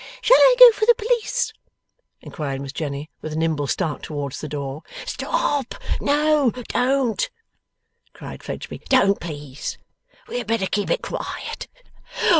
'Shall I go for the police?' inquired Miss Jenny, with a nimble start towards the door. 'Stop! No, don't!' cried Fledgeby. 'Don't, please. We had better keep it quiet.